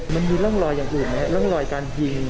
มันมีร่องรอยอย่างอื่นไหมครับร่องรอยการยิง